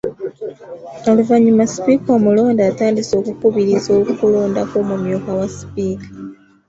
Oluvannyuma Sipiika omulonde atandise okukubiriza okulonda kw’Omumyuka wa Sipiika.